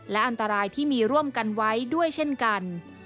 และอันตรายที่มีร่วมกันไว้ด้วยเช่นกัน